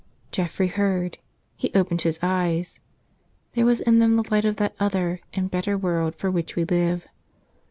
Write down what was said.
Godfrey heard. He opened his eyes. There was in them the light of that other and better world for which we live.